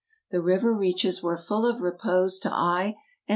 The river reaches were full of repose to eye and.